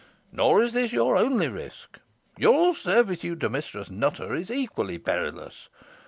Nor is this your only risk. Your servitude to Mistress Nutter is equally perilous.